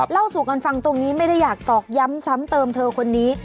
เล่าสู่กันฟังตรงนี้ไม่ได้อยากตอกย้ำซ้ำเติมเธอคนนี้